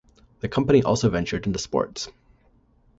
The company also ventured into sports.